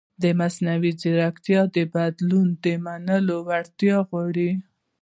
مصنوعي ځیرکتیا د بدلون د منلو وړتیا غواړي.